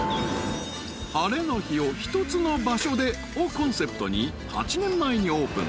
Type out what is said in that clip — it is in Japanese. ［晴れの日を一つの場所でをコンセプトに８年前にオープン］